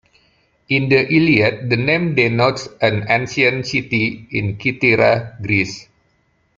In the Iliad the name denotes an ancient city in Kythira, Greece.